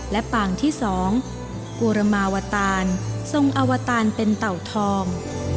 และปางที่๒บูรมาวตารทรงอวตารเป็นเต่าทอง